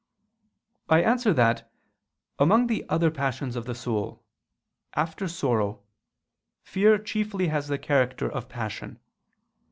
I answer that, Among the other passions of the soul, after sorrow, fear chiefly has the character of passion.